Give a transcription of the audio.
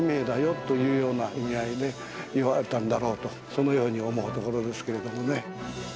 そのように思うところですけれどもね。